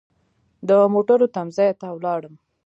د موټرو تم ځای ته ولاړم.